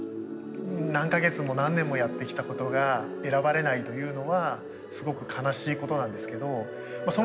何か月も何年もやってきたことが選ばれないというのはすごく悲しいことなんですけどその時に感じた